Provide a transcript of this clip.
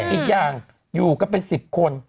อีกอย่างอยู่กันเป็น๑๐คน